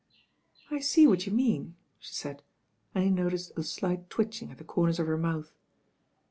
"I see what you mean," she said, and he noticed a slight twitching at the corners of her mouth.